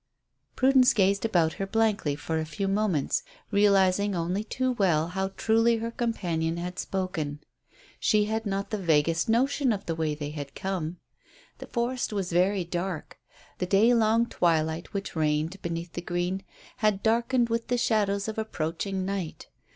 Prudence gazed about her blankly for a few moments, realizing only too well how truly her companion had spoken. She had not the vaguest notion of the way they had come. The forest was very dark. The day long twilight which reigned beneath the green had darkened with the shadows of approaching night.